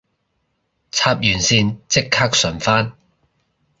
插完線即刻順返